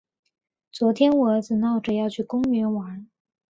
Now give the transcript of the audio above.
昨天我儿子闹着要去公园玩。